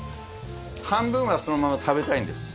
半分はそのまま食べたいんです。